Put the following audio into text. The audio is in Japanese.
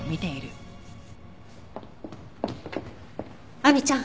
亜美ちゃん